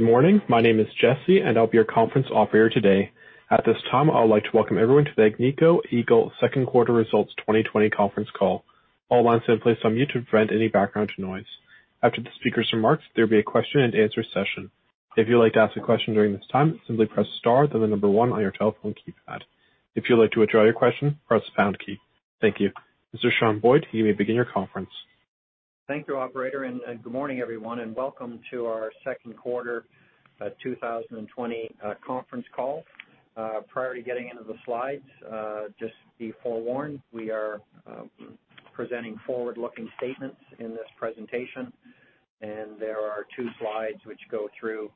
Good morning. My name is Jesse, and I'll be your conference operator today. At this time, I would like to welcome everyone to the Agnico Eagle Second Quarter Results 2020 conference call. All lines have been placed on mute to prevent any background noise. After the speakers' remarks, there will be a question-and-answer session. If you'd like to ask a question during this time, simply press star one on your telephone keypad. If you'd like to withdraw your question, press the pound key. Thank you. Mr. Sean Boyd, you may begin your conference. Thank you, operator. Good morning, everyone, welcome to our second quarter 2020 conference call. Prior to getting into the slides, just be forewarned, we are presenting forward-looking statements in this presentation. There are two slides which go through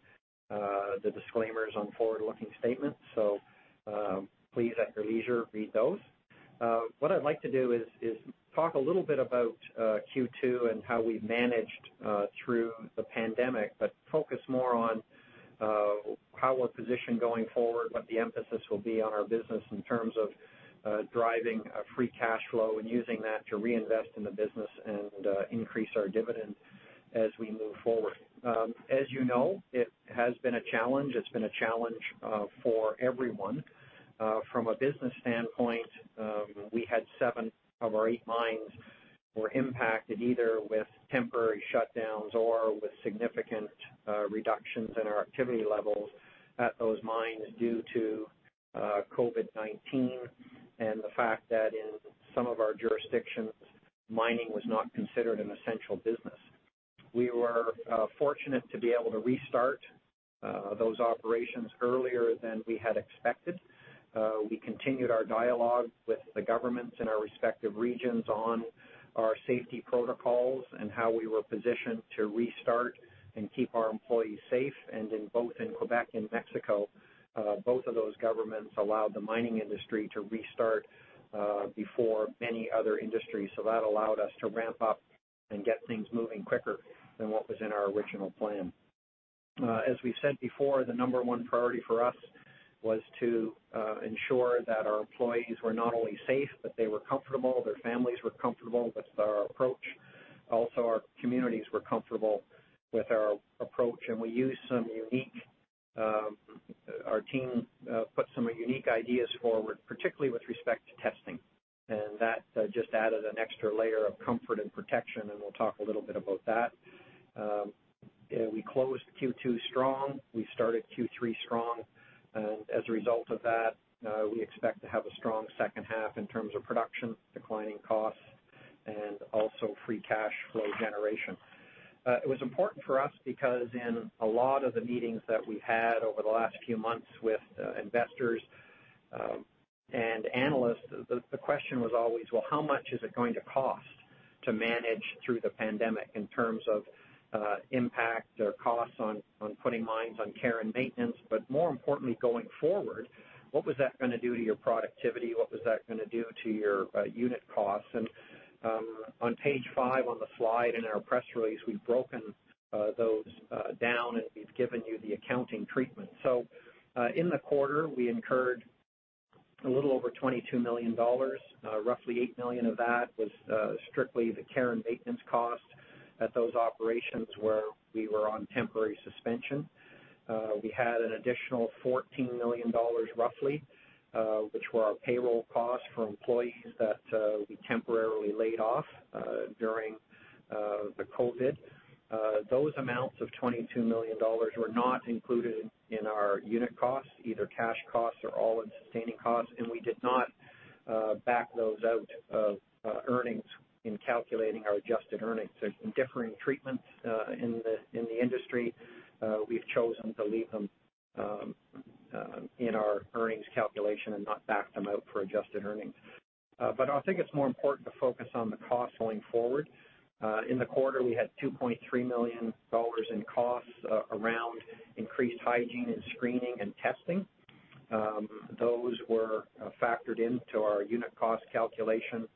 the disclaimers on forward-looking statements. Please, at your leisure, read those. What I'd like to do is talk a little bit about Q2 and how we managed through the pandemic. Focus more on how we're positioned going forward, what the emphasis will be on our business in terms of driving Cash costs and using that to reinvest in the business and increase our dividend as we move forward. As you know, it has been a challenge. It's been a challenge for everyone. From a business standpoint, we had seven of our eight mines were impacted, either with temporary shutdowns or with significant reductions in our activity levels at those mines due to COVID-19 and the fact that in some of our jurisdictions, mining was not considered an essential business. We were fortunate to be able to restart those operations earlier than we had expected. We continued our dialogue with the governments in our respective regions on our safety protocols and how we were positioned to restart and keep our employees safe. In both in Quebec and Mexico, both of those governments allowed the mining industry to restart before many other industries. That allowed us to ramp up and get things moving quicker than what was in our original plan. As we've said before, the number one priority for us was to ensure that our employees were not only safe, but they were comfortable, their families were comfortable with our approach. Our communities were comfortable with our approach, our team put some unique ideas forward, particularly with respect to testing. That just added an extra layer of comfort and protection, and we'll talk a little bit about that. We closed Q2 strong. We started Q3 strong, as a result of that, we expect to have a strong second half in terms of production, declining costs, and also Cash cost generation. It was important for us because in a lot of the meetings that we had over the last few months with investors and analysts, the question was always, well, how much is it going to cost to manage through the pandemic in terms of impact or costs on putting mines on care and maintenance, but more importantly, going forward, what was that going to do to your productivity? What was that going to do to your unit costs? On page five on the slide in our press release, we've broken those down, and we've given you the accounting treatment. In the quarter, we incurred a little over 22 million dollars. Roughly 8 million of that was strictly the care and maintenance cost at those operations where we were on temporary suspension. We had an additional 14 million dollars roughly, which were our payroll costs for employees that we temporarily laid off during the COVID-19. Those amounts of 22 million dollars were not included in our unit costs, either Cash costs or all-in sustaining costs, and we did not back those out of earnings in calculating our adjusted earnings. There's been differing treatments in the industry. We've chosen to leave them in our earnings calculation and not back them out for adjusted earnings. I think it's more important to focus on the costs going forward. In the quarter, we had 2.3 million dollars in costs around increased hygiene and screening and testing. Those were factored into our unit cost calculation,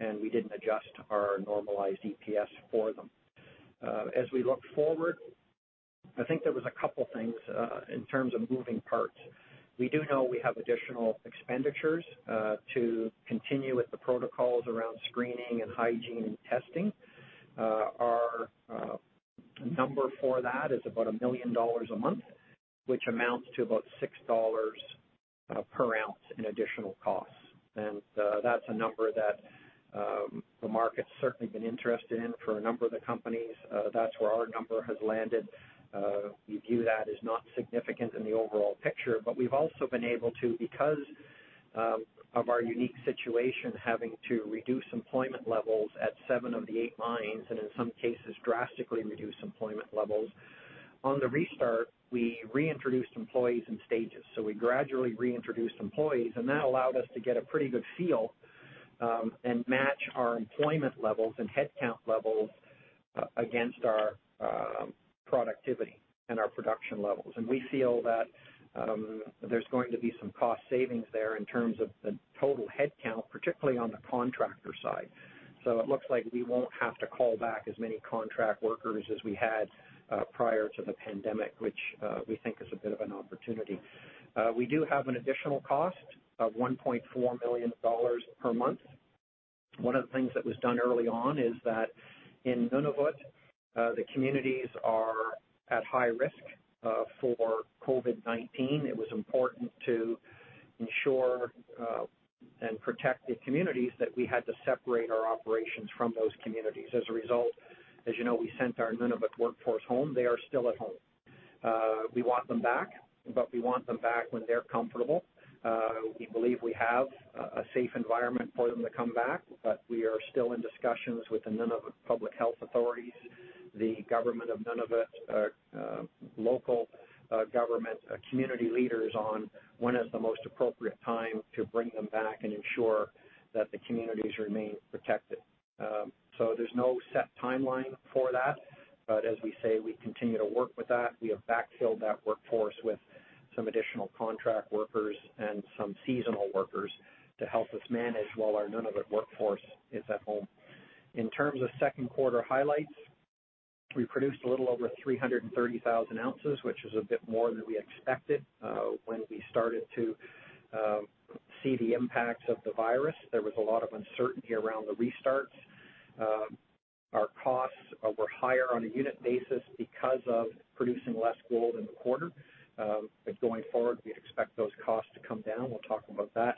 and we didn't adjust our normalized EPS for them. As we look forward, I think there was a couple things, in terms of moving parts. We do know we have additional expenditures, to continue with the protocols around screening and hygiene and testing. Our number for that is about 1 million dollars a month, which amounts to about 6 dollars per ounce in additional costs. That's a number that the market's certainly been interested in for a number of the companies. That's where our number has landed. We've also been able to, because of our unique situation, having to reduce employment levels at seven of the eight mines, and in some cases, drastically reduce employment levels. On the restart, we reintroduced employees in stages. We gradually reintroduced employees, and that allowed us to get a pretty good feel, and match our employment levels and headcount levels against our productivity and our production levels. We feel that there's going to be some cost savings there in terms of the total headcount, particularly on the contractor side. It looks like we won't have to call back as many contract workers as we had prior to the pandemic, which we think is a bit of an opportunity. We do have an additional cost of 1.4 million dollars per month. One of the things that was done early on is that in Nunavut, the communities are at high risk for COVID-19. It was important to ensure, and protect the communities that we had to separate our operations from those communities. As a result, as you know, we sent our Nunavut workforce home. They are still at home. We want them back, but we want them back when they're comfortable. We believe we have a safe environment for them to come back, but we are still in discussions with the Nunavut public health authorities, the government of Nunavut, local government, community leaders on when is the most appropriate time to bring them back and ensure that the communities remain protected. There's no set timeline for that, but as we say, we continue to work with that. We have backfilled that workforce with some additional contract workers and some seasonal workers to help us manage while our Nunavut workforce is at home. In terms of second quarter highlights, we produced a little over 330,000 ounces, which is a bit more than we expected. When we started to see the impacts of the virus, there was a lot of uncertainty around the restarts. Our costs were higher on a unit basis because of producing less gold in the quarter. Going forward, we expect those costs to come down. We'll talk about that.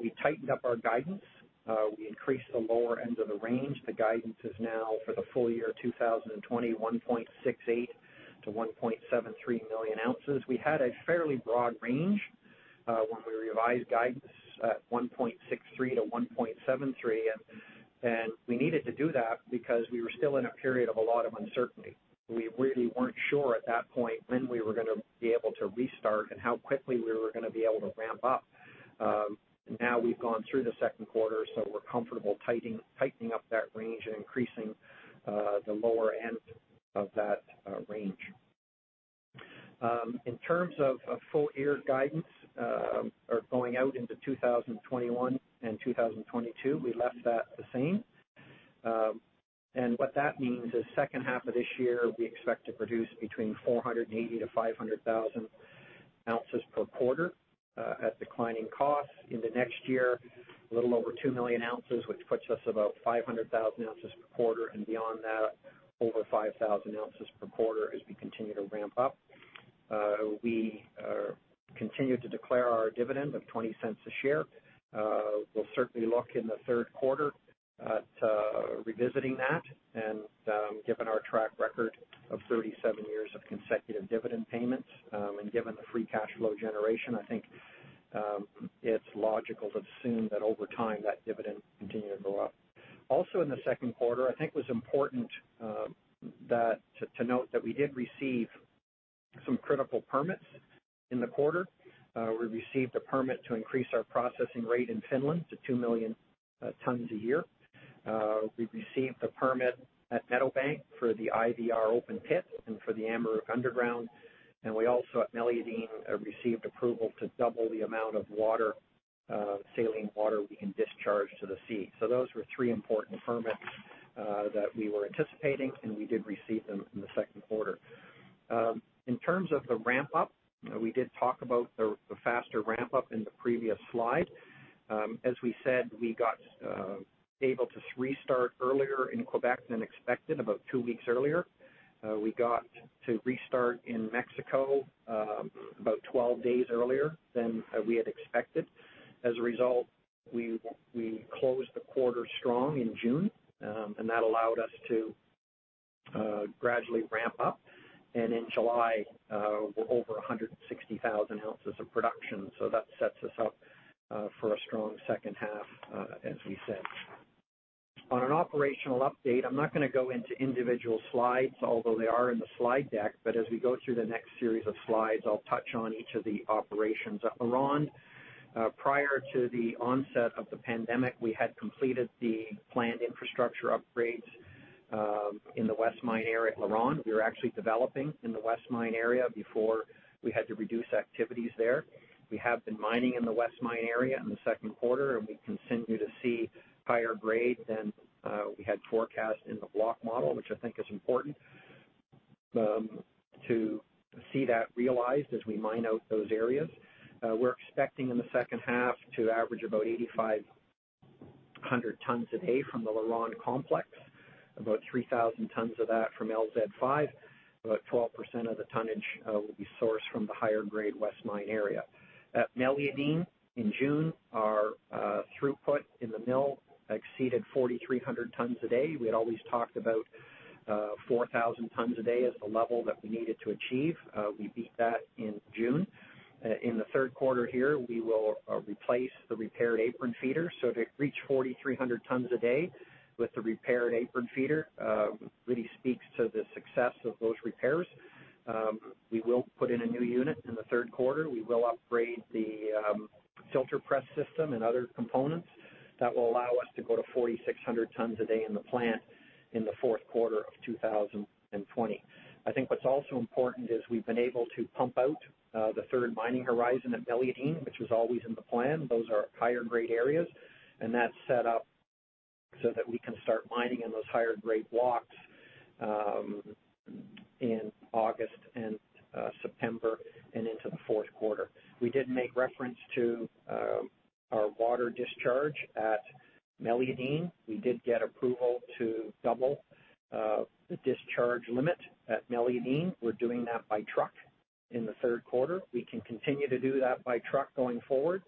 We tightened up our guidance. We increased the lower end of the range. The guidance is now for the full-year 2020, 1.68-1.73 million ounces. We had a fairly broad range, when we revised guidance at 1.63-1.73 million. We needed to do that because we were still in a period of a lot of uncertainty. We really weren't sure at that point when we were going to be able to restart and how quickly we were going to be able to ramp up. Now we've gone through the second quarter. We're comfortable tightening up that range and increasing the lower end of that range. In terms of full-year guidance, or going out into 2021 and 2022, we left that the same. What that means is second half of this year, we expect to produce between 480,000 to 500,000 ounces per quarter at declining costs. Into next year, a little over 2 million ounces, which puts us about 500,000 ounces per quarter, and beyond that, over 500,000 ounces per quarter as we continue to ramp up. We continue to declare our dividend of 0.20 a share. We'll certainly look in the third quarter at revisiting that and, given our track record of 37 years of consecutive dividend payments, and given the Cash cost generation, I think, it's logical to assume that over time that dividend will continue to go up. In the second quarter, I think it was important to note that we did receive some critical permits in the quarter. We received a permit to increase our processing rate in Finland to 2 million tons a year. We received the permit at Meadowbank for the IVR open pit and for the Amaruq underground, and we also at Meliadine received approval to double the amount of saline water we can discharge to the sea. Those were three important permits that we were anticipating, and we did receive them in the second quarter. In terms of the ramp up, we did talk about the faster ramp up in the previous slide. As we said, we got able to restart earlier in Quebec than expected, about two weeks earlier. We got to restart in Mexico about 12 days earlier than we had expected. As a result, we closed the quarter strong in June, and that allowed us to gradually ramp up. In July, we're over 160,000 ounces of production. That sets us up for a strong second half as we said. On an operational update, I'm not going to go into individual slides, although they are in the slide deck, as we go through the next series of slides, I'll touch on each of the operations. At LaRonde, prior to the onset of the pandemic, we had completed the planned infrastructure upgrades, in the West Mine area at LaRonde. We were actually developing in the West Mine area before we had to reduce activities there. We have been mining in the West Mine area in the second quarter, and we continue to see higher grade than we had forecast in the block model, which I think is important to see that realized as we mine out those areas. We're expecting in the second half to average about 8,500 tons a day from the LaRonde complex. About 3,000 tons of that from LZ 5, about 12% of the tonnage will be sourced from the higher-grade West Mine area. At Meliadine in June, our throughput in the mill exceeded 4,300 tons a day. We had always talked about 4,000 tons a day as the level that we needed to achieve. We beat that in June. In the third quarter here, we will replace the repaired apron feeder. To reach 4,300 tons a day with the repaired apron feeder, really speaks to the success of those repairs. We will put in a new unit in the third quarter. We will upgrade the filter press system and other components that will allow us to go to 4,600 tons a day in the plant in the fourth quarter of 2020. I think what's also important is we've been able to pump out the third mining horizon at Meliadine, which was always in the plan. Those are higher-grade areas, that's set up so that we can start mining in those higher-grade blocks in August and September and into the fourth quarter. We did make reference to our water discharge at Meliadine. We did get approval to double the discharge limit at Meliadine. We're doing that by truck in the third quarter. We can continue to do that by truck going forward,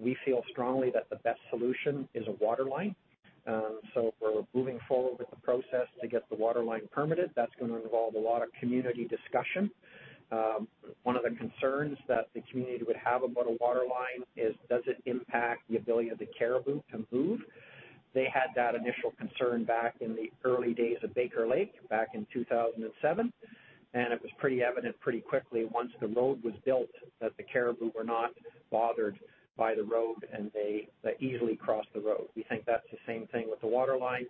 we feel strongly that the best solution is a waterline. We're moving forward with the process to get the waterline permitted. That's going to involve a lot of community discussion. One of the concerns that the community would have about a waterline is, does it impact the ability of the caribou to move? They had that initial concern back in the early days of Baker Lake, back in 2007. It was pretty evident pretty quickly once the road was built, that the caribou were not bothered by the road, and they easily crossed the road. We think that's the same thing with the waterline.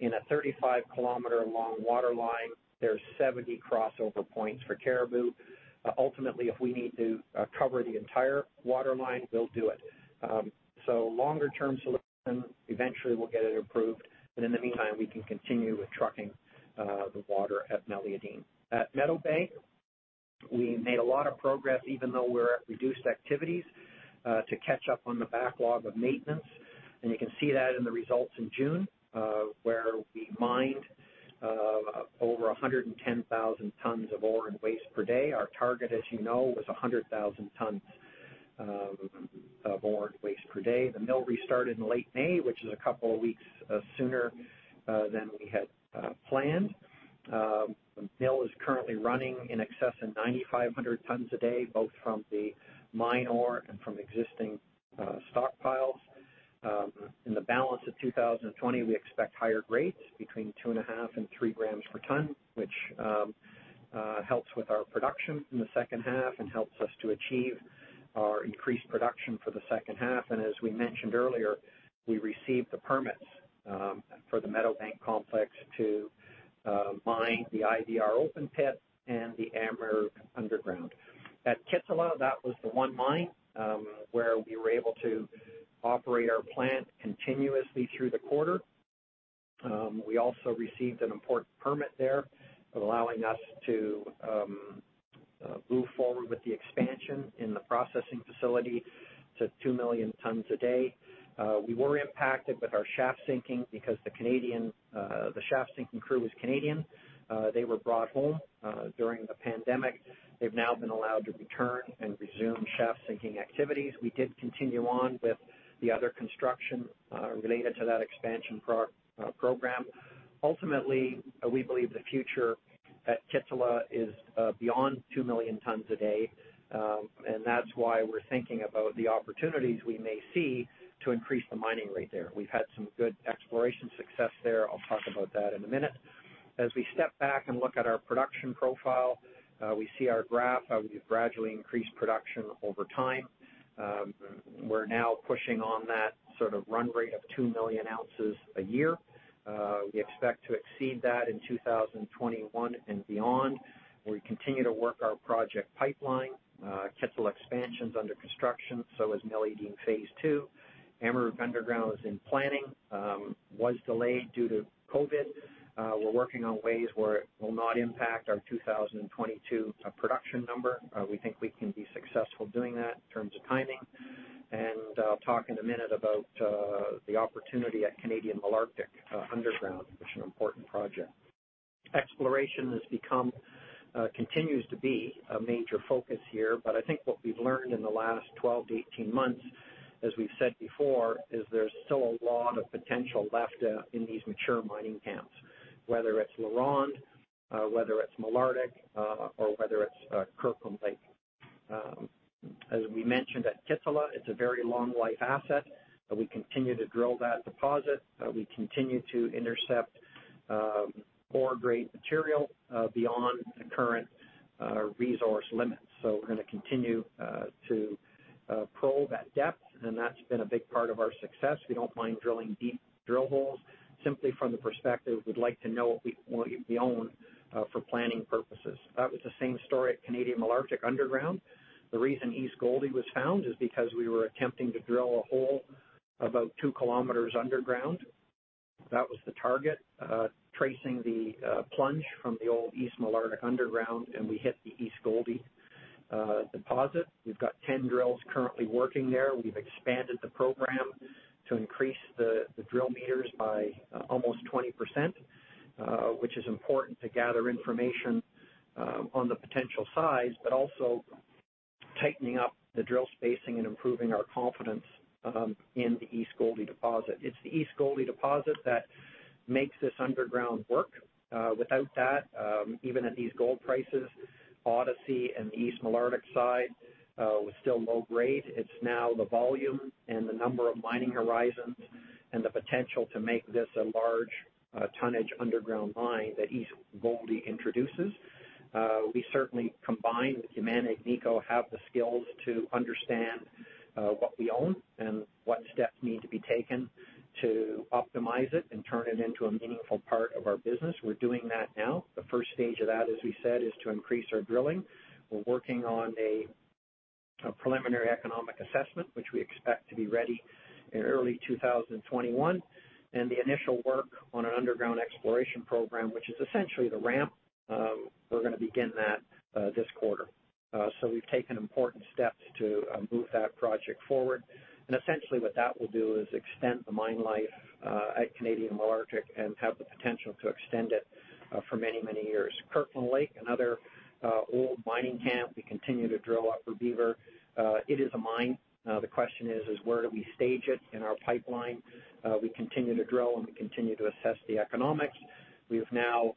In a 35-km-long waterline, there's 70 crossover points for caribou. Ultimately, if we need to cover the entire waterline, we'll do it. Longer-term solution, eventually we'll get it approved, but in the meantime, we can continue with trucking the water at Meliadine. At Meadowbank, we made a lot of progress, even though we're at reduced activities, to catch up on the backlog of maintenance. You can see that in the results in June, where we mined over 110,000 tons of ore and waste per day. Our target, as you know, was 100,000 tons of ore and waste per day. The mill restarted in late May, which is a couple of weeks sooner than we had planned. The mill is currently running in excess of 9,500 tons a day, both from the mine ore and from existing stockpiles. In the balance of 2020, we expect higher grades between two and a half and three grams per ton, which helps with our production in the second half and helps us to achieve our increased production for the second half. As we mentioned earlier, we received the permits for the Meadowbank Complex to mine the IVR open pit and the Amaruq underground. At Kittila, that was the one mine, where we were able to operate our plant continuously through the quarter. We also received an important permit there, allowing us to move forward with the expansion in the processing facility to 2 million tons a day. We were impacted with our shaft sinking because the shaft sinking crew was Canadian. They were brought home during the pandemic. They've now been allowed to return and resume shaft sinking activities. We did continue on with the other construction related to that expansion program. Ultimately, we believe the future at Kittila is beyond 2 million tons a day, and that's why we're thinking about the opportunities we may see to increase the mining rate there. We've had some good exploration success there. I'll talk about that in a minute. As we step back and look at our production profile, we see our graph how we've gradually increased production over time. We're now pushing on that sort of run rate of 2 million ounces a year. We expect to exceed that in 2021 and beyond. We continue to work our project pipeline, Kittila expansion's under construction, so is Meliadine phase II. Amaruq underground is in planning. Was delayed due to COVID-19. We're working on ways where it will not impact our 2022 production number. We think we can be successful doing that in terms of timing. I'll talk in a minute about the opportunity at Canadian Malartic Underground, which is an important project. Exploration continues to be a major focus here. I think what we've learned in the last 12-18 months, as we've said before, is there's still a lot of potential left in these mature mining camps. Whether it's LaRonde, whether it's Malartic, or whether it's Kirkland Lake. As we mentioned at Kittila, it's a very long life asset, but we continue to drill that deposit. We continue to intercept ore grade material beyond the current resource limits. We're going to continue to probe at depth, and that's been a big part of our success. We don't mind drilling deep drill holes simply from the perspective we'd like to know what we own for planning purposes. That was the same story at Canadian Malartic Underground. The reason East Gouldie was found is because we were attempting to drill a hole about two kilometers underground. That was the target, tracing the plunge from the old East Malartic underground, and we hit the East Gouldie deposit. We've got 10 drills currently working there. We've expanded the program to increase the drill meters by almost 20%, which is important to gather information on the potential size, but also tightening up the drill spacing and improving our confidence in the East Gouldie deposit. It's the East Gouldie deposit that makes this underground work. Without that, even at these gold prices, Odyssey and the East Malartic side was still low grade. It's now the volume and the number of mining horizons and the potential to make this a large tonnage underground mine that East Gouldie introduces. We certainly, combined with Yamana, Agnico, have the skills to understand what we own and what steps need to be taken to optimize it and turn it into a meaningful part of our business. We're doing that now. The stage 1 of that, as we said, is to increase our drilling. We're working on a preliminary economic assessment, which we expect to be ready in early 2021, and the initial work on an underground exploration program, which is essentially the ramp. We're going to begin that this quarter. We've taken important steps to move that project forward. Essentially what that will do is extend the mine life at Canadian Malartic and have the potential to extend it for many, many years. Kirkland Lake, another old mining camp, we continue to drill at Upper Beaver. It is a mine. The question is: where do we stage it in our pipeline? We continue to drill, and we continue to assess the economics. We've now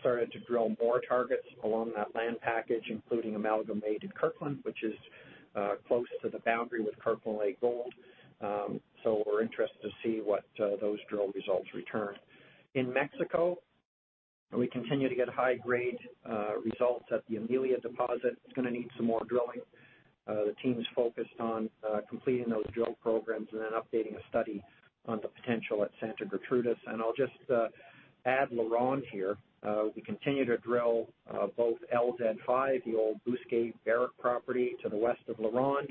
started to drill more targets along that land package, including Amalgamated Kirkland, which is close to the boundary with Kirkland Lake Gold. We're interested to see what those drill results return. In Mexico, we continue to get high-grade results at the Amelia deposit. It's going to need some more drilling. The team's focused on completing those drill programs and then updating a study on the potential at Santa Gertrudis. I'll just add LaRonde here. We continue to drill both LZ5, the old Bousquet Barrick property to the west of LaRonde.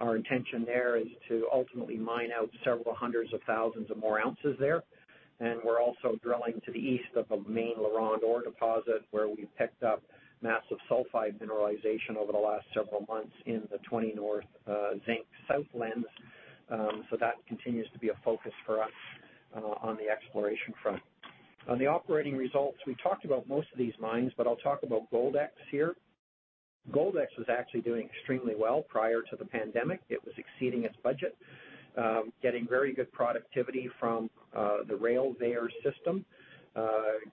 Our intention there is to ultimately mine out several hundreds of thousands of more ounces there, and we're also drilling to the east of a main LaRonde ore deposit where we picked up massive sulfide mineralization over the last several months in the 20N Zinc South Zone. That continues to be a focus for us on the exploration front. On the operating results, we talked about most of these mines, but I'll talk about Goldex here. Goldex was actually doing extremely well prior to the pandemic. It was exceeding its budget, getting very good productivity from the Railveyor system,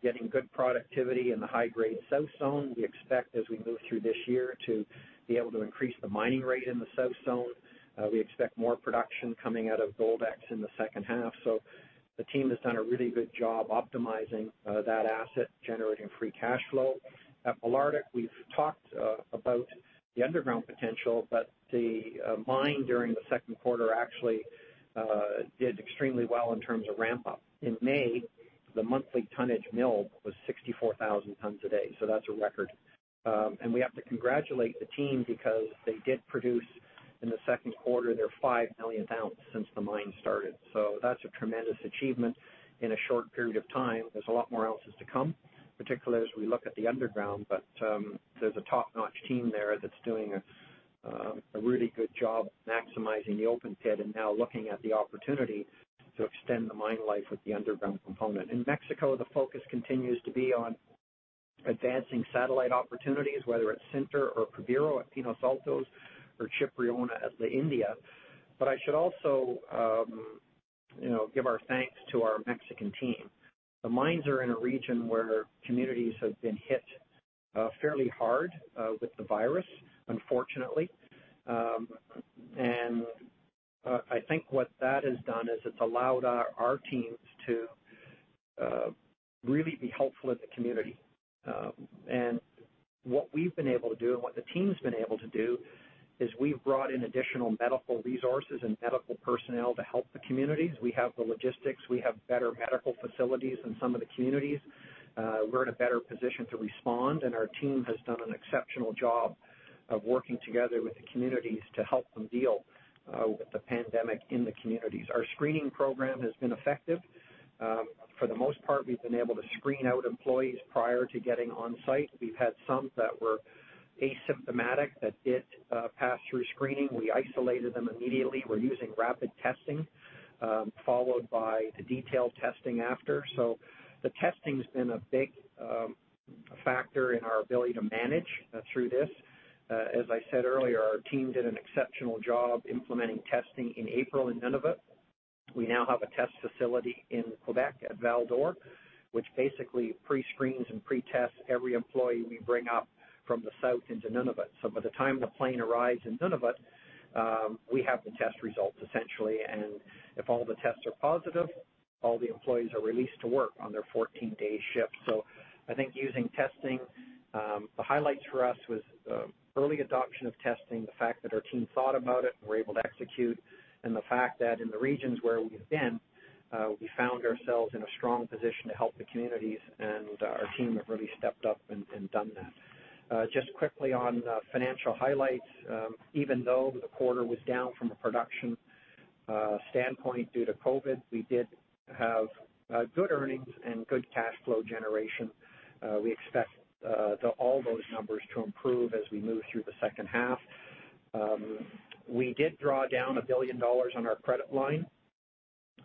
getting good productivity in the high-grade sub-zone. We expect as we move through this year to be able to increase the mining rate in the sub-zone. We expect more production coming out of Goldex in the second half. The team has done a really good job optimizing that asset, generating Cash cost. at Malartic, we've talked about the underground potential, the mine during the second quarter actually did extremely well in terms of ramp up. In May, the monthly tonnage mill was 64,000 tons a day. That's a record. We have to congratulate the team because they did produce, in the second quarter, their 5 millionth ounce since the mine started. That's a tremendous achievement in a short period of time. There's a lot more ounces to come, particularly as we look at the underground. There's a top-notch team there that's doing a really good job maximizing the open pit and now looking at the opportunity to extend the mine life with the underground component. In Mexico, the focus continues to be on advancing satellite opportunities, whether it's Cerro or Cubiro at Pinos Altos or Chipriona at La India. I should also give our thanks to our Mexican team. The mines are in a region where communities have been hit fairly hard with the virus, unfortunately. I think what that has done is it's allowed our teams to really be helpful in the community. What we've been able to do and what the team's been able to do is we've brought in additional medical resources and medical personnel to help the communities. We have the logistics. We have better medical facilities in some of the communities. We're in a better position to respond. Our team has done an exceptional job of working together with the communities to help them deal with the pandemic in the communities. Our screening program has been effective. For the most part, we've been able to screen out employees prior to getting on-site. We've had some that were asymptomatic that did pass through screening. We isolated them immediately. We're using rapid testing, followed by the detailed testing after. The testing's been a big factor in our ability to manage through this. As I said earlier, our team did an exceptional job implementing testing in April in Nunavut. We now have a test facility in Quebec at Val-d'Or, which basically pre-screens and pre-tests every employee we bring up from the South into Nunavut. By the time the plane arrives in Nunavut, we have the test results, essentially, and if all the tests are positive, all the employees are released to work on their 14-day shift. I think using testing, the highlight for us was early adoption of testing, the fact that our team thought about it and were able to execute, and the fact that in the regions where we've been, we found ourselves in a strong position to help the communities, and our team have really stepped up and done that. Just quickly on financial highlights, even though the quarter was down from a production standpoint due to COVID, we did have good earnings and Cash cost generation. We expect all those numbers to improve as we move through the second half. We did draw down 1 billion dollars on our credit line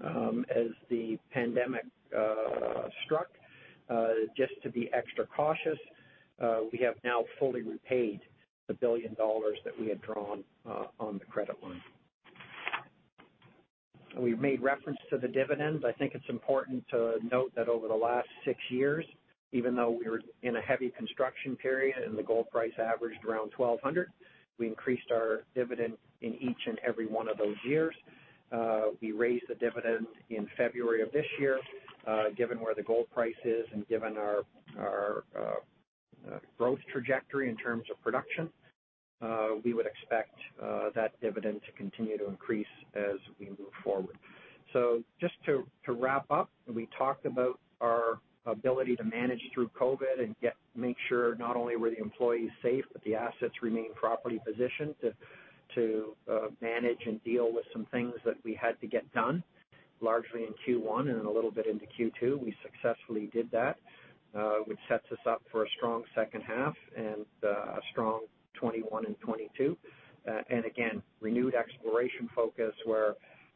as the pandemic struck, just to be extra cautious. We have now fully repaid the 1 billion dollars that we had drawn on the credit line. We've made reference to the dividends. I think it's important to note that over the last six years, even though we were in a heavy construction period and the gold price averaged around 1,200, we increased our dividend in each and every one of those years. We raised the dividend in February of this year. Given where the gold price is and given our growth trajectory in terms of production, we would expect that dividend to continue to increase as we move forward. Just to wrap up, we talked about our ability to manage through COVID and make sure not only were the employees safe, but the assets remained properly positioned to manage and deal with some things that we had to get done, largely in Q1 and then a little bit into Q2. We successfully did that, which sets us up for a strong second half and a strong 2021 and 2022. Again, renewed exploration focus where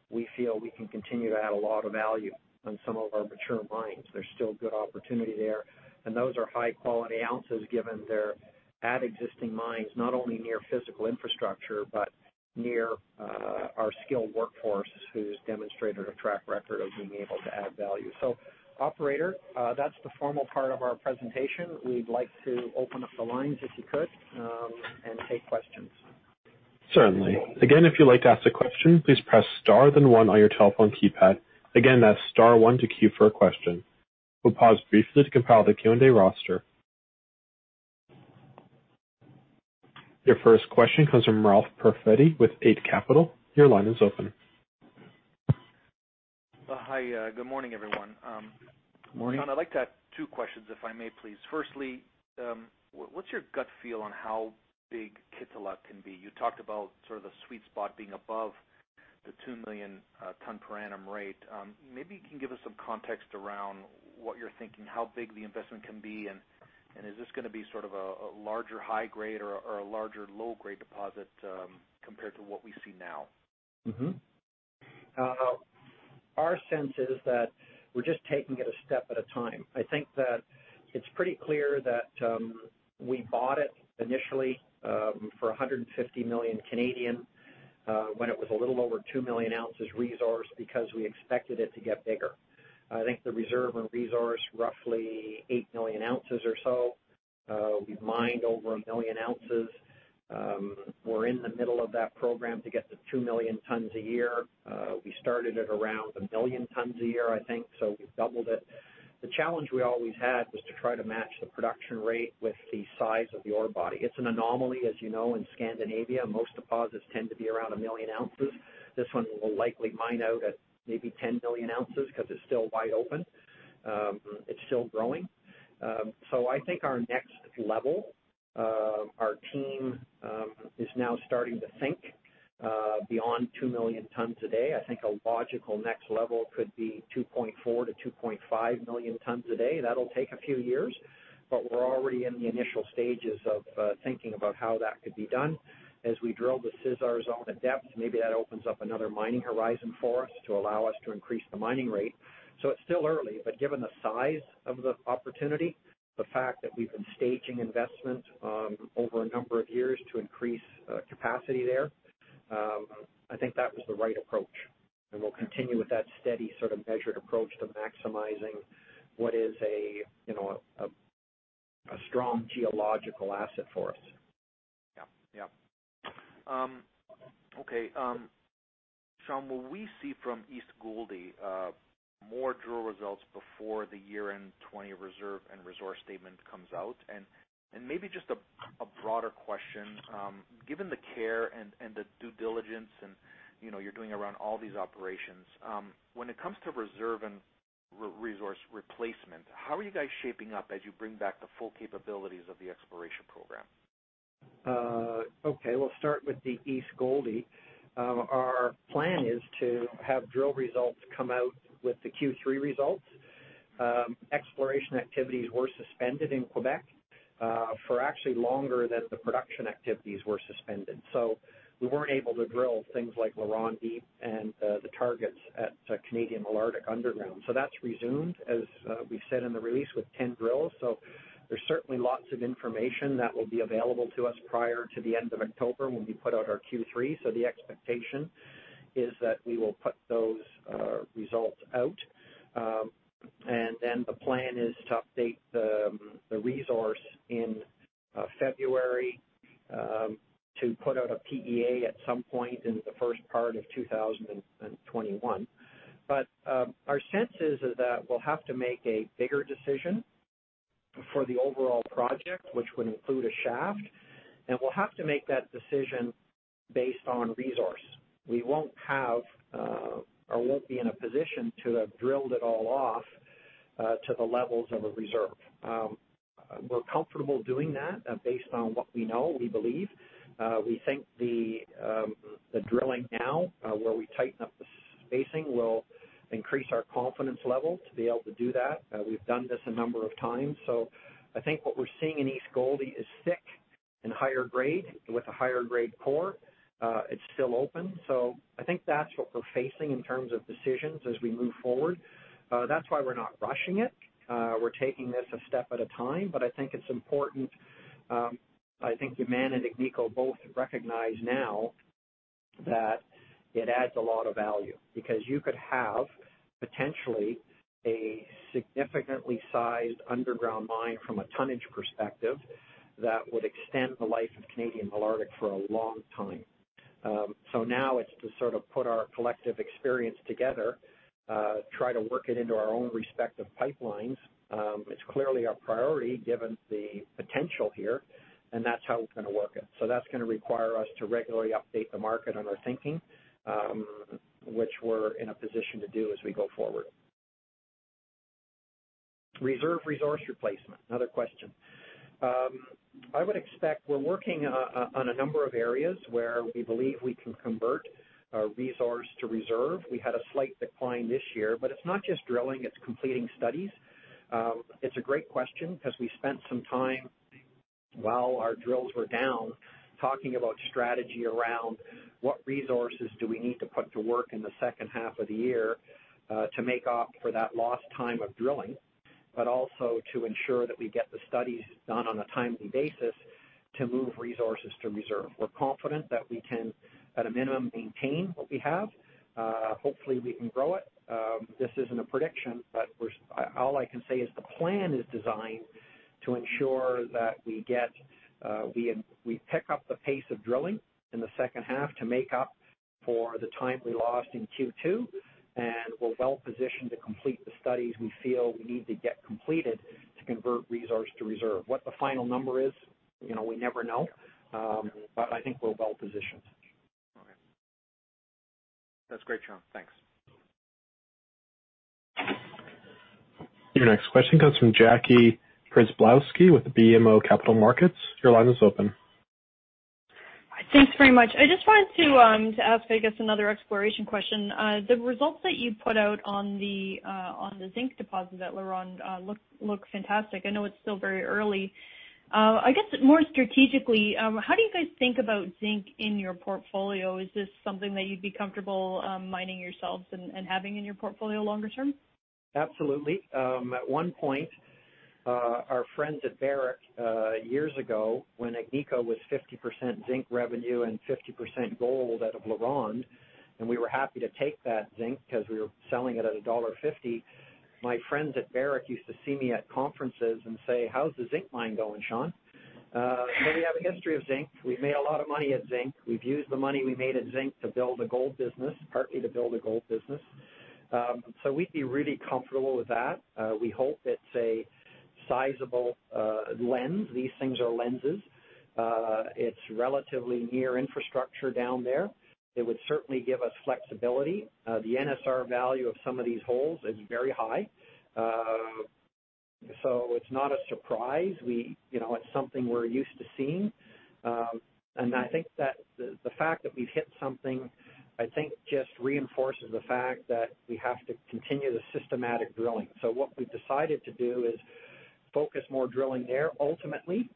we feel we can continue to add a lot of value on some of our mature mines. There's still good opportunity there, and those are high-quality ounces given they're at existing mines, not only near physical infrastructure, but near our skilled workforce, who's demonstrated a track record of being able to add value. Operator, that's the formal part of our presentation. We'd like to open up the lines if you could, and take questions. Certainly. Again, if you'd like to ask a question, please press star then one on your telephone keypad. Again, that's star one to queue for a question. We'll pause briefly to compile the Q&A roster. Your first question comes from Ralph Profiti with Eight Capital. Your line is open. Hi. Good morning, everyone. Morning. Sean, I'd like to ask two questions, if I may, please. Firstly, what's your gut feel on how big Kittila can be? You talked about sort of the sweet spot being above the 2 million ton per annum rate. Maybe you can give us some context around what you're thinking, how big the investment can be, and is this going to be sort of a larger high grade or a larger low grade deposit, compared to what we see now? Our sense is that we're just taking it a step at a time. I think that it's pretty clear that we bought it initially, for 150 million, when it was a little over 2 million ounces reserve, because we expected it to get bigger. I think the reserve and resource roughly 8 million ounces or so. We've mined over 1 million ounces. We're in the middle of that program to get to 2 million tons a year. We started at around 1 million tons a year, I think, so we've doubled it. The challenge we always had was to try to match the production rate with the size of the ore body. It's an anomaly, as you know, in Scandinavia, most deposits tend to be around 1 million ounces. This one will likely mine out at maybe 10 million ounces because it's still wide open. It's still growing. I think our next level, our team is now starting to think beyond 2 million tons a day. I think a logical next level could be 2.4-2.5 million tons a day. That'll take a few years, but we're already in the initial stages of thinking about how that could be done. As we drill the Sisar Zone at depth, maybe that opens up another mining horizon for us to allow us to increase the mining rate. It's still early, but given the size of the opportunity, the fact that we've been staging investment over a number of years to increase capacity there, I think that was the right approach. We'll continue with that steady sort of measured approach to maximizing what is a strong geological asset for us. Yeah. Okay. Sean, will we see from East Gouldie, more drill results before the year-end 2020 reserve and resource statement comes out? Maybe just a broader question. Given the care and the due diligence and, you know, you're doing around all these operations, when it comes to reserve and resource replacement, how are you guys shaping up as you bring back the full capabilities of the exploration program? Okay. We'll start with the East Gouldie. Our plan is to have drill results come out with the Q3 results. Exploration activities were suspended in Quebec, for actually longer than the production activities were suspended. We weren't able to drill things like LaRonde Deep and the targets at Canadian Malartic underground. That's resumed, as we said in the release, with 10 drills. There's certainly lots of information that will be available to us prior to the end of October when we put out our Q3. The expectation is that we will put those results out. The plan is to update the resource in February, to put out a PEA at some point in the first part of 2021. Our sense is that we'll have to make a bigger decision for the overall project, which would include a shaft, and we'll have to make that decision based on resource. We won't have, or won't be in a position to have drilled it all off, to the levels of a reserve. We're comfortable doing that based on what we know, we believe. We think the drilling now, where we tighten up the spacing will increase our confidence level to be able to do that. We've done this a number of times. I think what we're seeing in East Gouldie is thick and higher grade with a higher grade core. It's still open. I think that's what we're facing in terms of decisions as we move forward. That's why we're not rushing it. We're taking this a step at a time, but I think it's important. I think Yamana and Agnico both recognize now that it adds a lot of value because you could have potentially a significantly sized underground mine from a tonnage perspective that would extend the life of Canadian Malartic for a long time. Now it's to sort of put our collective experience together. Try to work it into our own respective pipelines. It's clearly our priority given the potential here, that's how we're going to work it. That's going to require us to regularly update the market on our thinking, which we're in a position to do as we go forward. Reserve resource replacement, another question. I would expect we're working on a number of areas where we believe we can convert our resource to reserve. We had a slight decline this year, it's not just drilling, it's completing studies. It's a great question because we spent some time while our drills were down talking about strategy around what resources do we need to put to work in the second half of the year to make up for that lost time of drilling, but also to ensure that we get the studies done on a timely basis to move resources to reserve. We're confident that we can, at a minimum, maintain what we have. Hopefully, we can grow it. This isn't a prediction. All I can say is the plan is designed to ensure that we pick up the pace of drilling in the second half to make up for the time we lost in Q2, and we're well-positioned to complete the studies we feel we need to get completed to convert resource to reserve. What the final number is, we never know. I think we're well-positioned. Okay. That's great, Sean. Thanks. Your next question comes from Jackie Przybylowski with BMO Capital Markets. Your line is open. Thanks very much. I just wanted to ask, I guess, another exploration question. The results that you put out on the zinc deposit at LaRonde look fantastic. I know it's still very early. I guess, more strategically, how do you guys think about zinc in your portfolio? Is this something that you'd be comfortable mining yourselves and having in your portfolio longer term? Absolutely. At one point, our friends at Barrick, years ago, when Agnico was 50% zinc revenue and 50% gold out of LaRonde, and we were happy to take that zinc because we were selling it at a dollar 1.50, my friends at Barrick used to see me at conferences and say, "How's the zinc mine going, Sean?" We have a history of zinc. We've made a lot of money at zinc. We've used the money we made at zinc to build a gold business, partly to build a gold business. We'd be really comfortable with that. We hope it's a sizable lens. These things are lenses. It's relatively near infrastructure down there. It would certainly give us flexibility. The NSR value of some of these holes is very high. It's not a surprise. It's something we're used to seeing. I think that the fact that we've hit something, I think, just reinforces the fact that we have to continue the systematic drilling. What we've decided to do is focus more drilling there. Ultimately,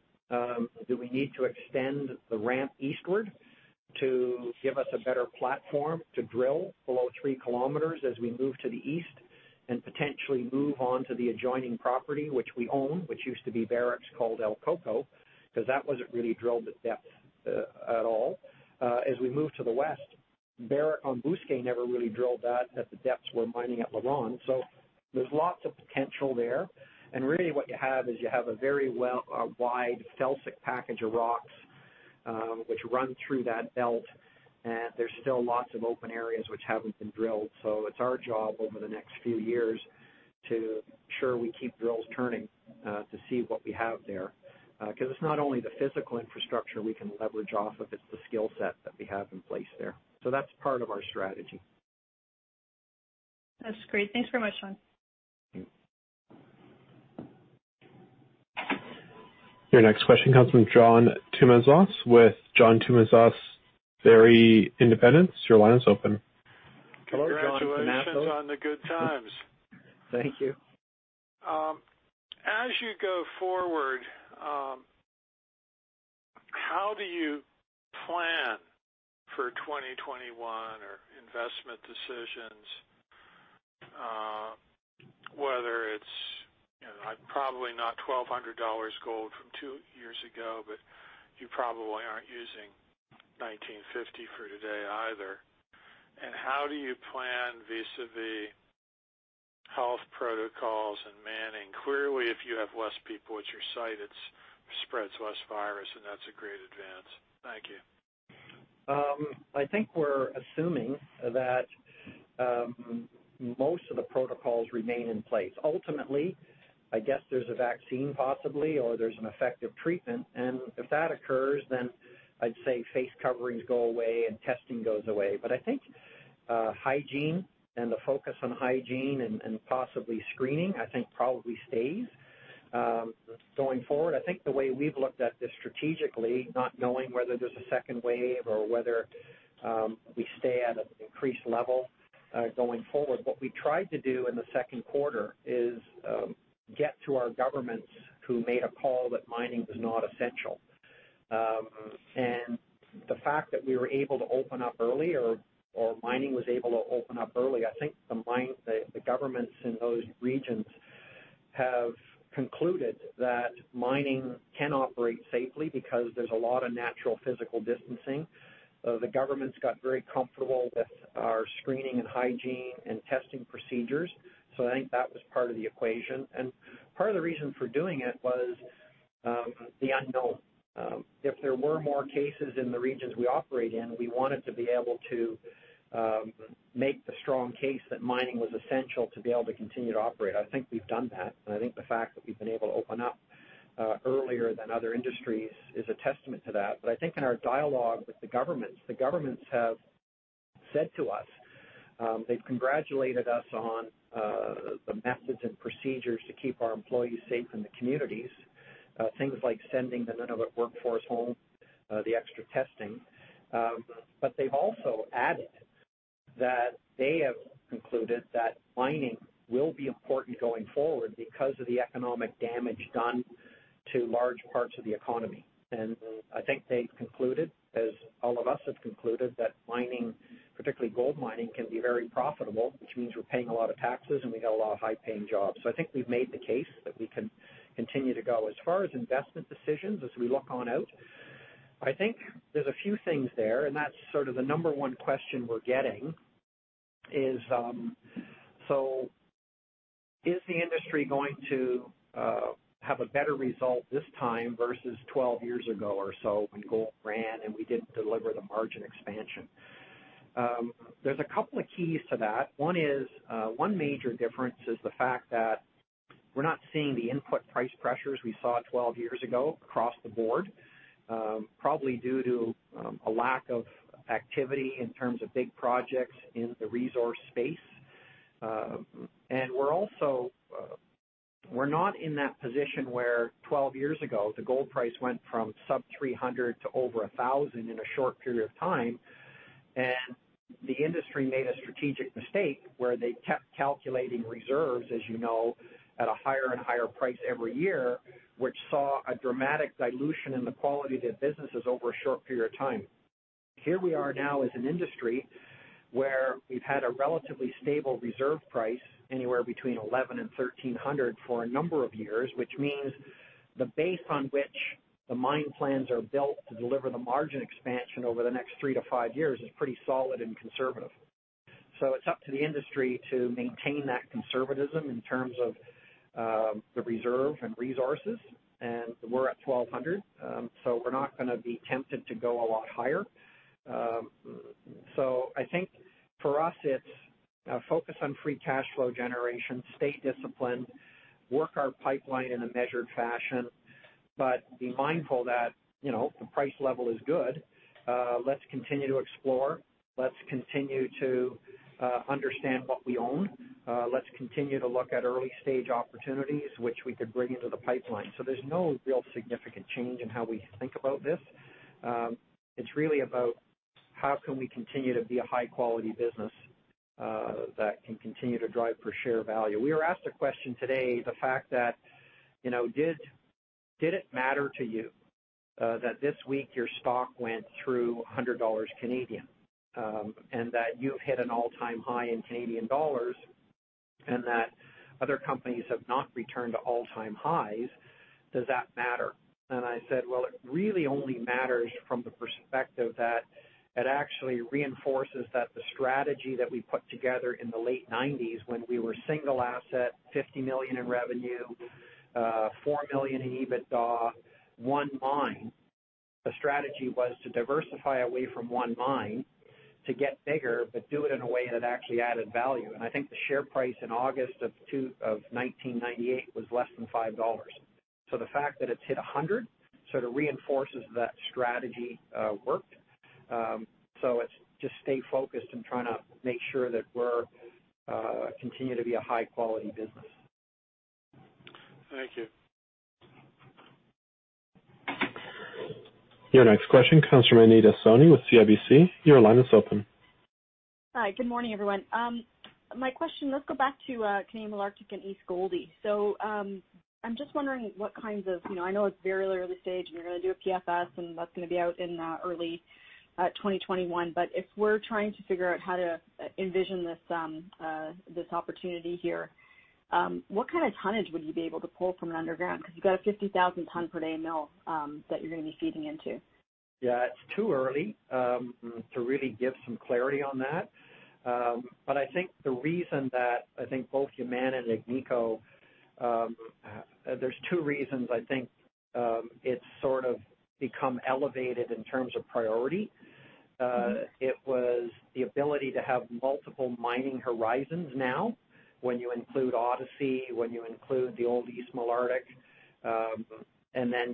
do we need to extend the ramp eastward to give us a better platform to drill below 3 kilometers as we move to the east and potentially move on to the adjoining property which we own, which used to be Barrick's called El Coco, because that wasn't really drilled at depth at all. As we move to the west, Barrick on Bousquet never really drilled that at the depths we're mining at LaRonde. There's lots of potential there, and really what you have is a very wide felsic package of rocks, which run through that belt, and there's still lots of open areas which haven't been drilled. It's our job over the next few years to ensure we keep drills turning, to see what we have there. It's not only the physical infrastructure we can leverage off of, it's the skill set that we have in place there. That's part of our strategy. That's great. Thanks very much, Sean. Thanks. Your next question comes from John Tumazos with John Tumazos Very Independent Research. Your line is open. Hello, John. Congratulations on the good times. Thank you. As you go forward, how do you plan for 2021 or investment decisions? Whether it's probably not 1,200 dollars gold from two years ago, but you probably aren't using 1,950 for today either. How do you plan vis-à-vis health protocols and manning? Clearly, if you have less people at your site, it spreads less virus, and that's a great advance. Thank you. I think we're assuming that most of the protocols remain in place. Ultimately, I guess there's a vaccine possibly, or there's an effective treatment, and if that occurs, then I'd say face coverings go away and testing goes away. I think hygiene and the focus on hygiene and possibly screening, I think, probably stays going forward. I think the way we've looked at this strategically, not knowing whether there's a second wave or whether we stay at an increased level going forward, what we tried to do in the second quarter is get to our governments who made a call that mining was not essential. The fact that we were able to open up early or mining was able to open up early, I think the governments in those regions have concluded that mining can operate safely because there's a lot of natural physical distancing. The governments got very comfortable with our screening and hygiene and testing procedures. I think that was part of the equation. Part of the reason for doing it was the unknown. If there were more cases in the regions we operate in, we wanted to be able to make the strong case that mining was essential to be able to continue to operate. I think we've done that, and I think the fact that we've been able to open up earlier than other industries is a testament to that. I think in our dialogue with the governments, the governments have said to us, they've congratulated us on the methods and procedures to keep our employees safe in the communities, things like sending the Nunavut workforce home, the extra testing. They've also added that they have concluded that mining will be important going forward because of the economic damage done to large parts of the economy. I think they've concluded, as all of us have concluded, that mining, particularly gold mining, can be very profitable, which means we're paying a lot of taxes and we got a lot of high-paying jobs. I think we've made the case that we can continue to go. As far as investment decisions as we look on out, I think there's a few things there, and that's sort of the number one question we're getting is the industry going to have a better result this time versus 12 years ago or so when gold ran and we didn't deliver the margin expansion? There's a couple of keys to that. One major difference is the fact that we're not seeing the input price pressures we saw 12 years ago across the board, probably due to a lack of activity in terms of big projects in the resource space. We're not in that position where 12 years ago, the gold price went from sub 300 to over 1,000 in a short period of time. The industry made a strategic mistake where they kept calculating reserves, as you know, at a higher and higher price every year, which saw a dramatic dilution in the quality of their businesses over a short period of time. Here we are now as an industry where we've had a relatively stable reserve price, anywhere between 1100 to 1,300 for a number of years, which means the base on which the mine plans are built to deliver the margin expansion over the next three to five years is pretty solid and conservative. It's up to the industry to maintain that conservatism in terms of the reserve and resources, and we're at 1,200. We're not going to be tempted to go a lot higher. I think for us, it's a focus on Cash cost generation, stay disciplined, work our pipeline in a measured fashion, but be mindful that the price level is good. Let's continue to explore. Let's continue to understand what we own. Let's continue to look at early-stage opportunities which we could bring into the pipeline. There's no real significant change in how we think about this. It's really about how can we continue to be a high-quality business that can continue to drive per share value. We were asked a question today, the fact that did it matter to you that this week your stock went through 100 Canadian dollars, and that you've hit an all-time high in CAD and that other companies have not returned to all-time highs? Does that matter? I said, "Well, it really only matters from the perspective that it actually reinforces that the strategy that we put together in the late 1990s when we were single asset, 50 million in revenue, 4 million in EBITDA, one mine, the strategy was to diversify away from one mine to get bigger, but do it in a way that actually added value." I think the share price in August of 1998 was less than 5 dollars. The fact that it's hit 100 sort of reinforces that strategy worked. It's just stay focused and trying to make sure that we continue to be a high-quality business. Thank you. Your next question comes from Anita Soni with CIBC. Your line is open. Hi, good morning, everyone. My question, let's go back to Canadian Malartic and East Gouldie. I'm just wondering what kinds of I know it's very early stage and you're going to do a PFS and that's going to be out in early 2021. If we're trying to figure out how to envision this opportunity here, what kind of tonnage would you be able to pull from an underground? You've got a 50,000 ton per day mill that you're going to be feeding into. Yeah. It's too early, to really give some clarity on that. I think the reason that I think both Yamana and Agnico, there's two reasons, I think, it's sort of become elevated in terms of priority. It was the ability to have multiple mining horizons now, when you include Odyssey, when you include the old East Malartic,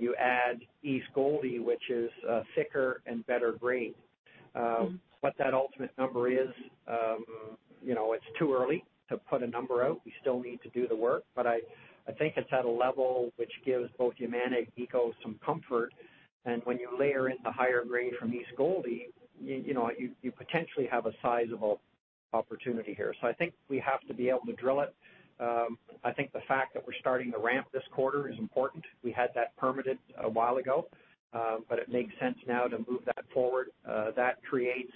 you add East Gouldie, which is a thicker and better grade. What that ultimate number is, it's too early to put a number out. We still need to do the work. I think it's at a level which gives both Yamana and Agnico some comfort. When you layer in the higher grade from East Gouldie, you potentially have a sizable opportunity here. I think we have to be able to drill it. I think the fact that we're starting the ramp this quarter is important. We had that permitted a while ago. It makes sense now to move that forward. That creates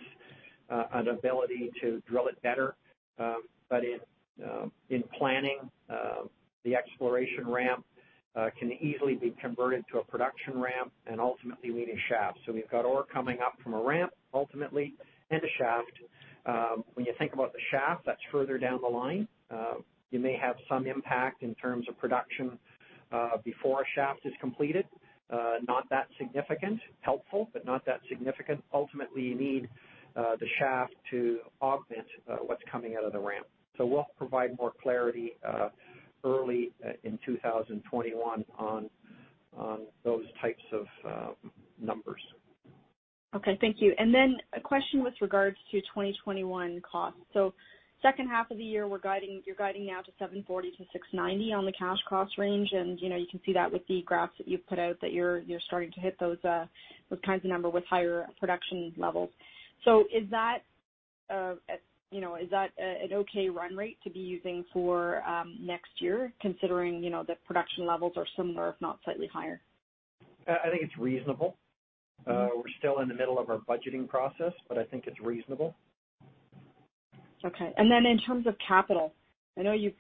an ability to drill it better. In planning, the exploration ramp, can easily be converted to a production ramp and ultimately we need a shaft. We've got ore coming up from a ramp, ultimately, and a shaft. When you think about the shaft, that's further down the line. You may have some impact in terms of production before a shaft is completed, not that significant. Helpful, but not that significant. Ultimately, you need the shaft to augment what's coming out of the ramp. We'll provide more clarity early in 2021 on those types of numbers. Okay. Thank you. A question with regards to 2021 costs. Second half of the year, you're guiding now to 740-690 on the Cash cost range, and you can see that with the graphs that you've put out, that you're starting to hit those kinds of number with higher production levels. Is that an okay run rate to be using for next year, considering the production levels are similar, if not slightly higher? I think it's reasonable. We're still in the middle of our budgeting process, but I think it's reasonable. Okay. In terms of capital, I know you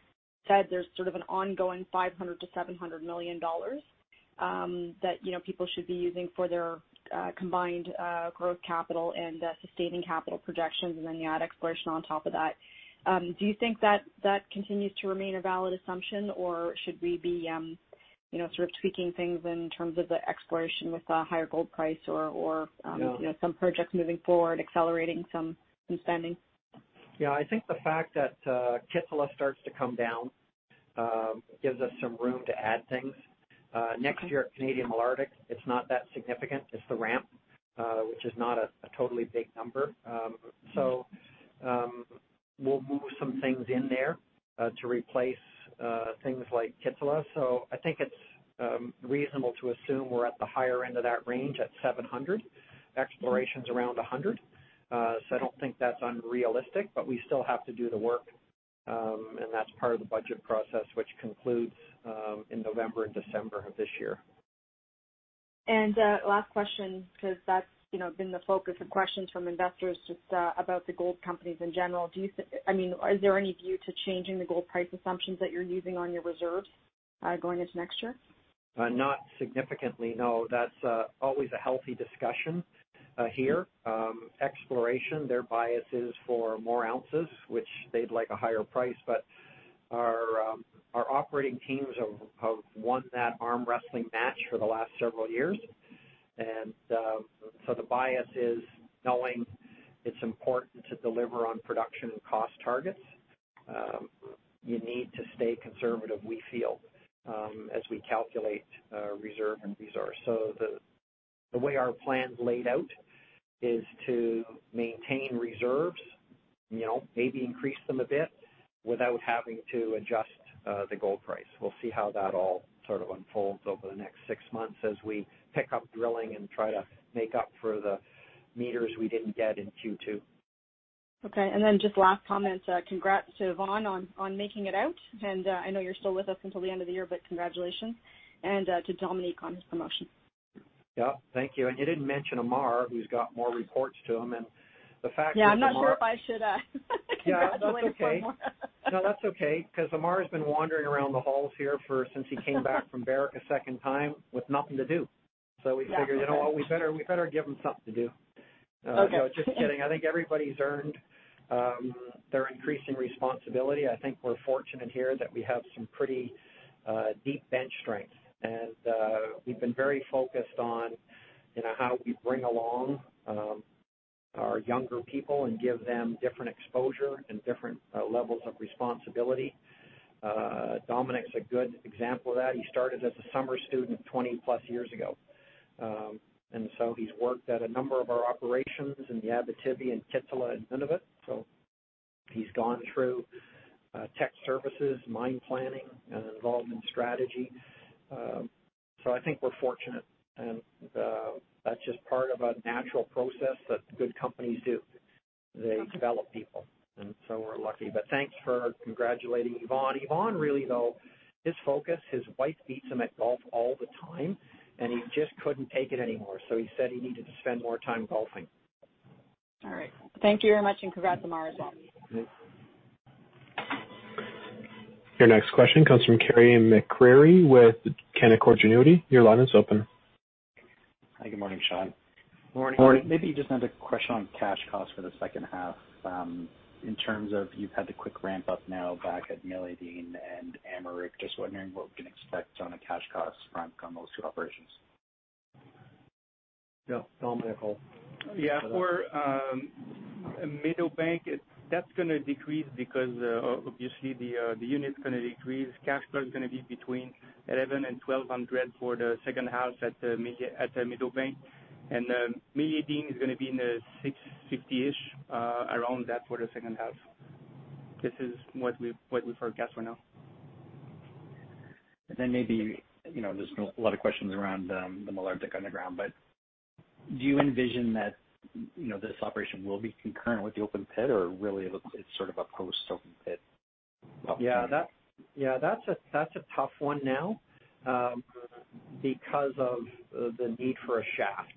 said there's sort of an ongoing 500-700 million dollars that people should be using for their combined growth capital and sustaining capital projections, and then you add exploration on top of that. Do you think that continues to remain a valid assumption, or should we be sort of tweaking things in terms of the exploration with the higher gold price, some projects moving forward, accelerating some spending? Yeah, I think the fact that Kittila starts to come down gives us some room to add things. Next year at Canadian Malartic, it's not that significant. It's the ramp, which is not a totally big number. We'll move some things in there to replace things like Kittila. I think it's reasonable to assume we're at the higher end of that range at 700. Exploration's around 100. I don't think that's unrealistic, but we still have to do the work, and that's part of the budget process, which concludes in November and December of this year. Last question, because that's been the focus of questions from investors, just about the gold companies in general. Is there any view to changing the gold price assumptions that you're using on your reserves going into next year? Not significantly, no. That's always a healthy discussion here. Exploration, their bias is for more ounces, which they'd like a higher price, but our operating teams have won that arm wrestling match for the last several years. The bias is knowing it's important to deliver on production and cost targets. You need to stay conservative, we feel, as we calculate reserve and resource. The way our plan's laid out is to maintain reserves, maybe increase them a bit without having to adjust the gold price. We'll see how that all unfolds over the next six months as we pick up drilling and try to make up for the meters we didn't get in Q2. Okay. Just last comment, congrats to Yvon on making it out. I know you're still with us until the end of the year, but congratulations, to Dominique on his promotion. Yeah. Thank you. You didn't mention Ammar, who's got more reports to him. Yeah, I'm not sure if I should congratulate poor Ammar. No, that's okay, because Ammar's been wandering around the halls here since he came back from Barrick a second time with nothing to do. We figured, we better give him something to do. Okay. No, just kidding. I think everybody's earned their increase in responsibility. I think we're fortunate here that we have some pretty deep bench strength. We've been very focused on how we bring along our younger people and give them different exposure and different levels of responsibility. Dominique's a good example of that. He started as a summer student 20-plus years ago. He's worked at a number of our operations in the Abitibi and Kittila and Nunavut. He's gone through tech services, mine planning, and environment strategy. I think we're fortunate, and that's just part of a natural process that good companies do. They develop people. We're lucky. Thanks for congratulating Yvon. Yvon really, though, his focus, his wife beats him at golf all the time, and he just couldn't take it anymore, so he said he needed to spend more time golfing. All right. Thank you very much, and congrats to Ammar as well. Okay. Your next question comes from Carey MacRury with Canaccord Genuity. Your line is open. Hi, good morning, Sean. Morning. Morning. Maybe just another question on Cash cost for the second half. In terms of, you've had the quick ramp up now back at Meliadine and Amaruq, just wondering what we can expect on a Cash cost front on those two operations? Yeah. Dominique, go. Yeah. For Meadowbank, that's going to decrease because obviously the unit's going to Cash cost is going to be between 1,100 and 1,200 for the second half at Meadowbank. Meliadine is going to be in the 650-ish, around that for the second half. This is what we forecast for now. Maybe, there's been a lot of questions around the Malartic underground, but do you envision that this operation will be concurrent with the open pit or really it's sort of a post open pit operation? That's a tough one now, because of the need for a shaft.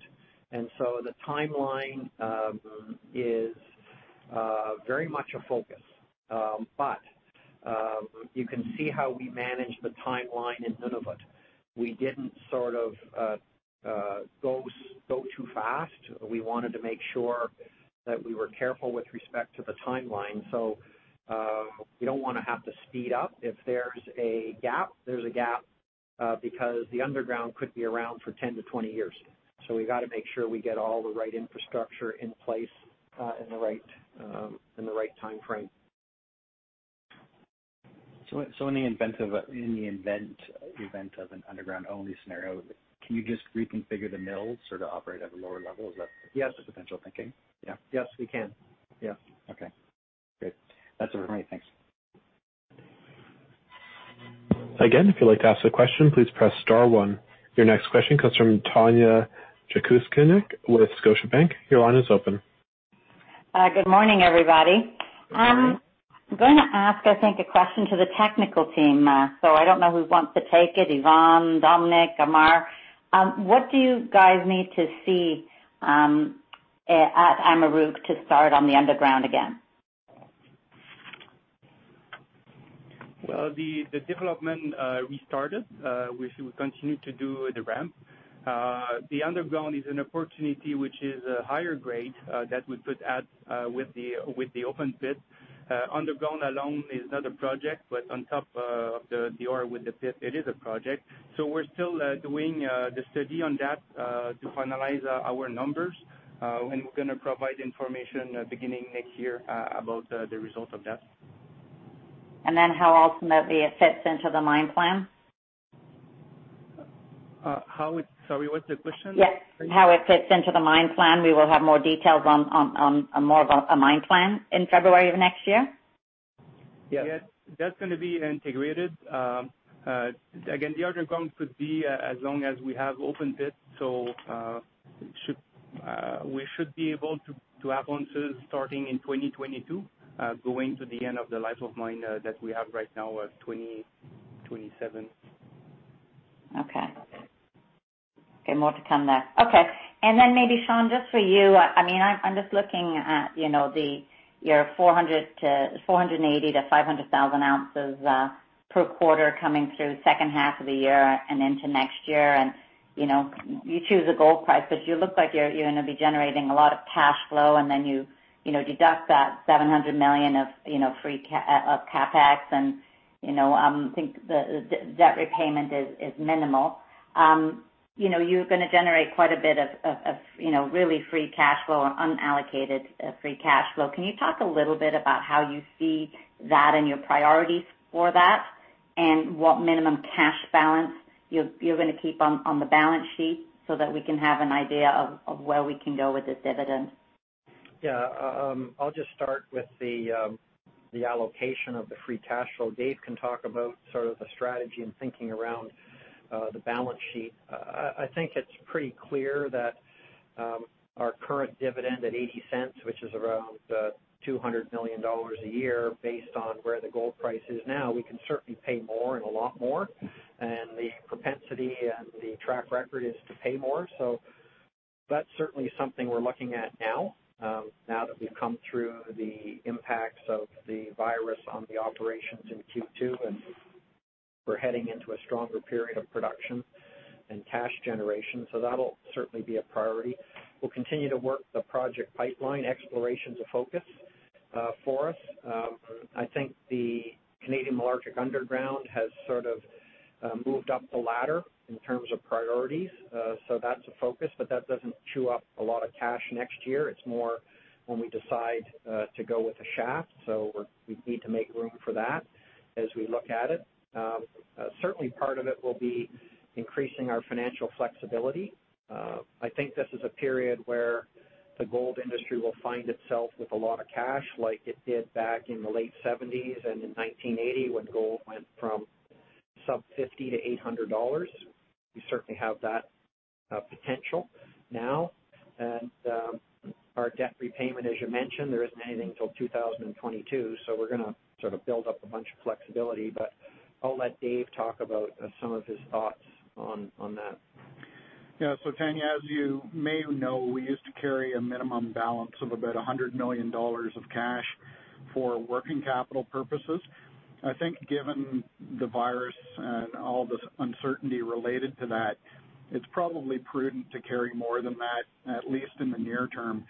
The timeline is very much a focus. You can see how we manage the timeline in Nunavut. We didn't go too fast. We wanted to make sure that we were careful with respect to the timeline, so we don't want to have to speed up. If there's a gap, there's a gap, because the underground could be around for 10 to 20 years. We've got to make sure we get all the right infrastructure in place in the right timeframe. In the event of an underground-only scenario, can you just reconfigure the mills to operate at a lower level? Potential thinking? Yes, we can. Yeah. Okay. Great. That's it for me. Thanks. If you'd like to ask a question, please press star one. Your next question comes from Tanya Jakusconek with Scotiabank. Your line is open. Good morning, everybody. I'm going to ask, I think, a question to the technical team. I don't know who wants to take it: Yvon, Dominique, Ammar. What do you guys need to see at Amaruq to start on the underground again? Well, the development restarted. We continue to do the ramp. The underground is an opportunity, which is a higher grade that we put out with the open pit. Underground alone is not a project, but on top of the ore with the pit, it is a project. We're still doing the study on that to finalize our numbers, and we're going to provide information beginning next year about the results of that. How ultimately it fits into the mine plan? Sorry, what's the question? Yes. How it fits into the mine plan. We will have more details on more of a mine plan in February of next year? Yes. That's going to be integrated. Again, the underground could be as long as we have open pit, so we should be able to have ounces starting in 2022, going to the end of the life of mine that we have right now of 2027. Okay. More to come there. Okay. Maybe, Sean, just for you, I'm just looking at your 480,000 to 500,000 ounces per quarter coming through the second half of the year and into next year. You choose a gold price, but you look like you're going to be generating a lot Cash cost, then you deduct that 700 million of CapEx, and I think the debt repayment is minimal. You're going to generate quite a bit of really Cash cost and unallocated Cash cost. can you talk a little bit about how you see that and your priorities for that, and what minimum cash balance you're going to keep on the balance sheet so that we can have an idea of where we can go with this dividend? Yeah. I'll just start with the allocation of the Cash cost. dave can talk about the strategy and thinking around the balance sheet. I think it's pretty clear that our current dividend at 0.80, which is around 200 million dollars a year based on where the gold price is now, we can certainly pay more and a lot more, and the propensity and the track record is to pay more. That's certainly something we're looking at now that we've come through the impacts of the virus on the operations in Q2, and we're heading into a stronger period of production and cash generation. That'll certainly be a priority. We'll continue to work the project pipeline. Exploration's a focus for us. I think the Canadian Malartic Underground has sort of moved up the ladder in terms of priorities. That's a focus, but that doesn't chew up a lot of cash next year. It's more when we decide to go with a shaft, we need to make room for that as we look at it. Certainly, part of it will be increasing our financial flexibility. I think this is a period where the gold industry will find itself with a lot of cash, like it did back in the late 1970s and in 1980, when gold went from sub CAD 50-CAD 800. Our debt repayment, as you mentioned, there isn't anything till 2022, we're going to sort of build up a bunch of flexibility. I'll let Dave talk about some of his thoughts on that. Yeah. So Tanya, as you may know, we used to carry a minimum balance of about 100 million dollars of cash for working capital purposes. I think given the virus and all the uncertainty related to that, it's probably prudent to carry more than that, at least in the near term.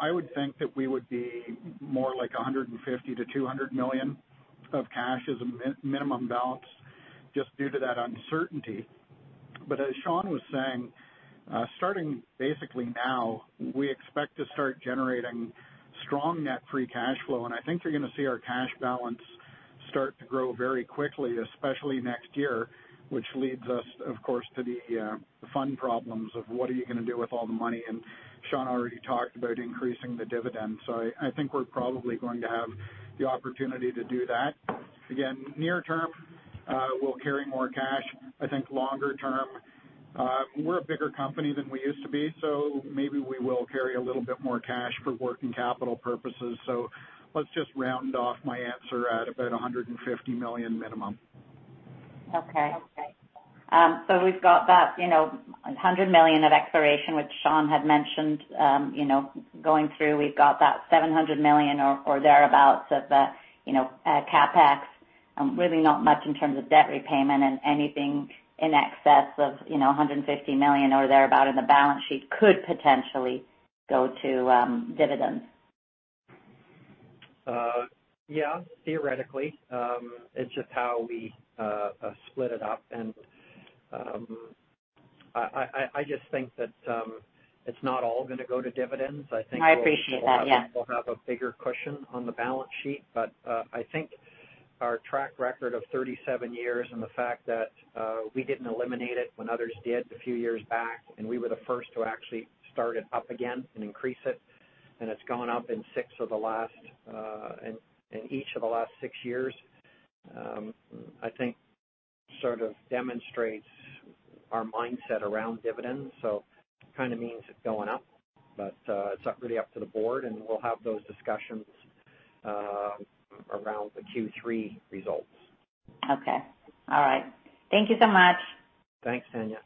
I would think that we would be more like 150-200 million of cash as a minimum balance just due to that uncertainty. As Sean was saying, starting basically now, we expect to start generating strong net Cash cost, and I think you're going to see our cash balance start to grow very quickly, especially next year, which leads us, of course, to the fun problems of what are you going to do with all the money? Sean already talked about increasing the dividend. I think we're probably going to have the opportunity to do that. Again, near term, we'll carry more cash. I think longer term, we're a bigger company than we used to be, so maybe we will carry a little bit more cash for working capital purposes. Let's just round off my answer at about 150 million minimum. Okay. We've got that 100 million of exploration, which Sean had mentioned. Going through, we've got that 700 million or thereabouts of the CapEx, and really not much in terms of debt repayment and anything in excess of 150 million or thereabout in the balance sheet could potentially go to dividends. Yeah, theoretically. It's just how we split it up, and I just think that it's not all going to go to dividends. I appreciate that, yeah. we'll have a bigger cushion on the balance sheet. I think our track record of 37 years and the fact that we didn't eliminate it when others did a few years back, and we were the first to actually start it up again and increase it, and it's gone up in each of the last six years, I think sort of demonstrates our mindset around dividends. Kind of means it's going up, but it's not really up to the board, and we'll have those discussions around the Q3 results. Okay. All right. Thank you so much. Thanks, Tanya.